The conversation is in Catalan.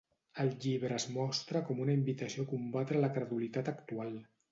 El llibre es mostra com una invitació a combatre la credulitat actual.